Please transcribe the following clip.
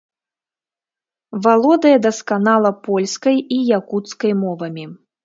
Валодае дасканала польскай і якуцкай мовамі.